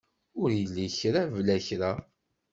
Ur illa kra bla kra.